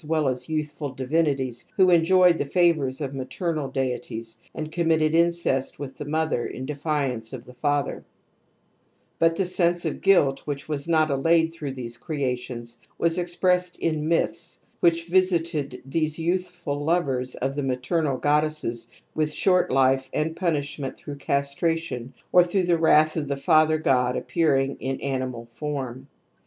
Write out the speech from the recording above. well as youthful divinities who enjoyed the favours of maternal deities and committed J incest with the mother in defiance of the father/ But the sense of guilt which was not allayedV through these creations, was expressed in ) myths which visited these youthful lovers of tl^ maternal goddesses with short life and punish ment through castration or through the wrath of the father god appearing in animal form.